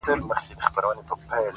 خپل فکرونه لوړ وساتئ.!